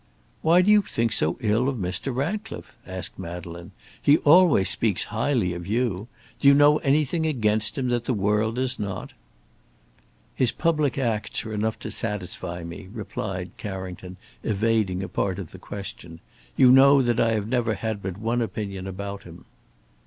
"Why do you think so ill of Mr. Ratcliffe?" asked Madeleine; "he always speaks highly of you. Do you know anything against him that the world does not?" "His public acts are enough to satisfy me," replied Carrington, evading a part of the question. "You know that I have never had but one opinion about him."